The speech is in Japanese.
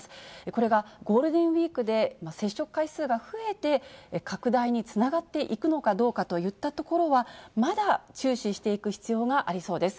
これがゴールデンウィークで接触回数が増えて、拡大につながっていくのかどうかといったところは、まだ注視していく必要がありそうです。